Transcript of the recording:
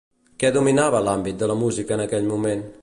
Què dominava l'àmbit de la música en aquell moment?